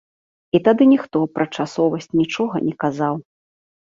І тады ніхто пра часовасць нічога не казаў.